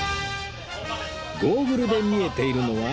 ゴーグルで見えているのは